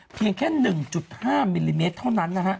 เพียงแค่๑๕มิลลิเมตรเท่านั้นนะฮะ